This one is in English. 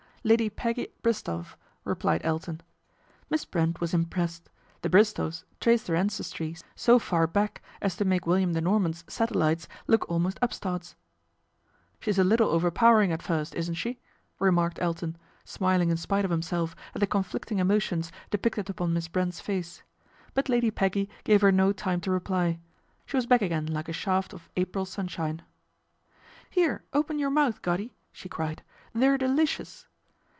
" Lady Peggy Bristowe," replied Elton. Miss Brent was impressed. The Bristowes traced their ancestry so far back as to make William the Norman's satellites look almost up starts. " She , is a little overpowering at first, isn't she ?" remarked Elton, smiling in spite of himself at the conflicting emotions depicted upon Miss Brent's face ; but Lady Peggy gave her no time to reply. She was back again like a shaft of April sunshine. " Here, open your mouth, Goddy," she cried, " they're delicious."